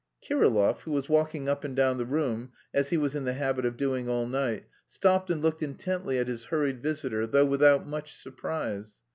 Kirillov, who was walking up and down the room, as he was in the habit of doing all night, stopped and looked intently at his hurried visitor, though without much surprise.